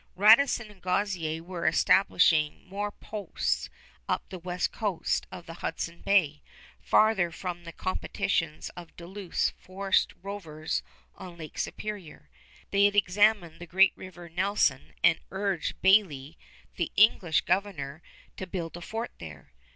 Radisson and Groseillers were for establishing more posts up the west coast of Hudson Bay, farther from the competition of Duluth's forest rovers on Lake Superior. They had examined the great River Nelson and urged Bayly, the English governor, to build a fort there.